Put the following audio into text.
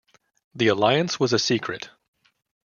The alliance was a secret.